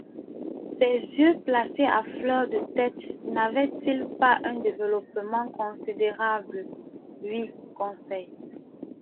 —Ses yeux, placés à fleur de tête, n'avaient-ils pas un développement considérable ? —Oui, Conseil.